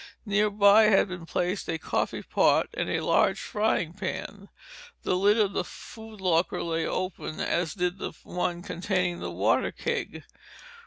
Nearby had been placed a coffee pot and a large frying pan. The lid of the food locker lay open, as did the one containing the water keg.